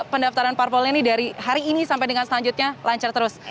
pendaftaran parpol ini dari hari ini sampai dengan selanjutnya lancar terus